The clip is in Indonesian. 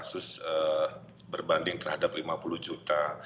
kasus berbanding terhadap lima puluh juta